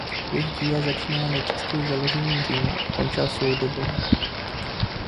Jejich díla začínala nejčastěji založením Říma a končila svou dobou.